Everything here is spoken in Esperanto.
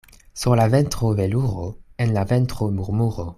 Sur la ventro veluro, en la ventro murmuro.